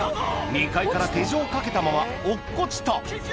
２階から手錠をかけたまま落っこちた！